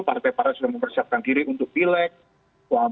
partai partai sudah mempersiapkan diri untuk pileg